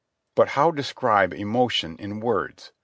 But how describe emotion in words?